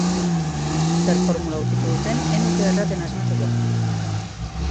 Zer formula aurkitu duten, ez nuke erraten asmatuko.